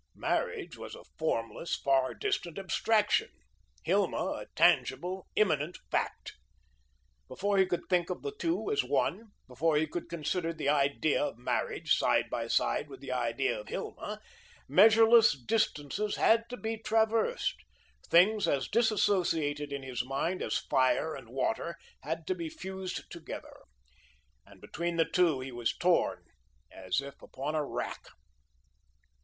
Marriage was a formless, far distant abstraction. Hilma a tangible, imminent fact. Before he could think of the two as one; before he could consider the idea of marriage, side by side with the idea of Hilma, measureless distances had to be traversed, things as disassociated in his mind as fire and water, had to be fused together; and between the two he was torn as if upon a rack.